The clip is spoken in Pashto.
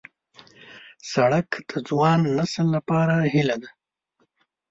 سړک د ځوان نسل لپاره هیله ده.